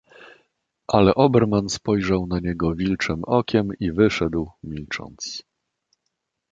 "Ale Oberman spojrzał na niego wilczem okiem i wyszedł, milcząc."